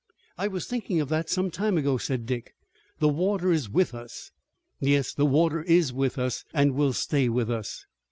"I was thinking of that some time ago," said Dick. "The water is with us." "Yes, the water is with us, and will stay with us."